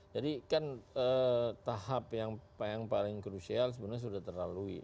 jadi kan tahap yang paling krusial sebenarnya sudah terlalui